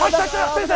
先生！